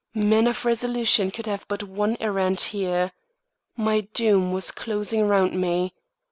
Men of resolution could have but one errand here. My doom was closing round me.